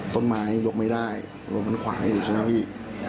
ต้นไม้ยกไม่ได้รถมันขวาอีกใช่ไหมพี่